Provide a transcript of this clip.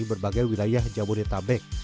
dari berbagai wilayah jabodetabek